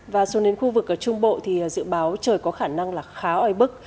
và xuống đến khu vực ở trung bộ thì dự báo trời có khả năng là khá oi bức